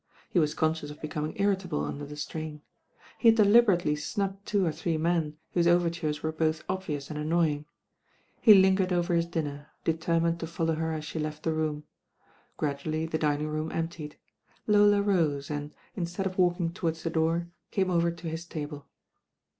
He was conscious of becoming irritable under the strain. He had deliberately snubbed two or three men, whose overtures were both obvious and Mnoytng. He Imgcred over his dinner, determined to follow her as she left the room. Gradually the dining room emptied. Lola rose and, instead of walkiiM towards the door, came over to his table.